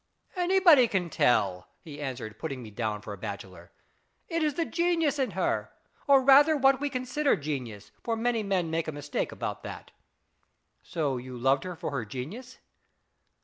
" Anybody can tell," he answered, putting me down for a bachelor. " It is the genius in her, or rather what we consider genius, for many men make a mistake about that." " So you loved her for her genius